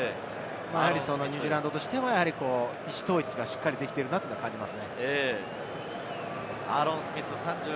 ニュージーランドとしては意思統一がしっかりできていると感じます。